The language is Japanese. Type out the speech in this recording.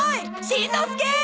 しんのすけー！